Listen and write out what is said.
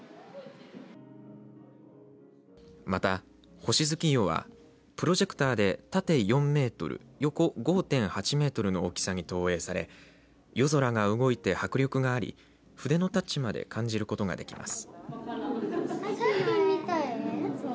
また、星月夜はプロジェクターで縦４メートル横５．８メートルの大きさに投影され夜空が動いて迫力があり筆のタッチまで感じることができます。